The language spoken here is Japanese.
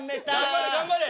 頑張れ頑張れ。